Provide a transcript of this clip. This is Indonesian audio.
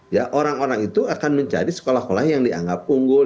ya orang orang itu akan menjadi sekolah sekolah yang dianggap unggul